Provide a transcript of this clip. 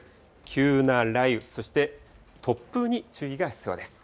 急な雷雨、そして突風に注意が必要です。